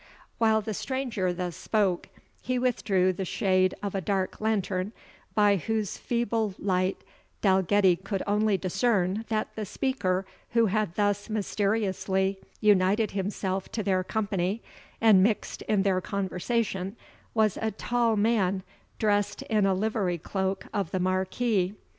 While the stranger thus spoke, he withdrew the shade of a dark lantern, by whose feeble light Dalgetty could only discern that the speaker who had thus mysteriously united himself to their company, and mixed in their conversation, was a tall man, dressed in a livery cloak of the Marquis.